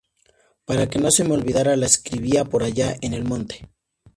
Para que no se me olvidara, la escribía por allá, en el monte.